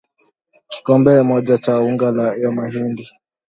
kikombe moja cha unga wa mahindi